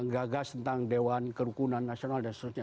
menggagas tentang dewan kerukuhan nasional dan seterusnya